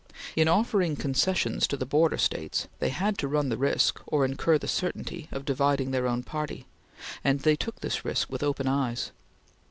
In offering concessions to the border States, they had to run the risk, or incur the certainty, of dividing their own party, and they took this risk with open eyes.